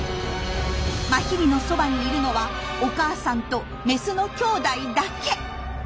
マヒリのそばにいるのはお母さんとメスのきょうだいだけ。